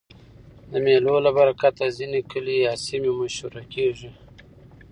د مېلو له برکته ځيني کلي یا سیمې مشهوره کېږي.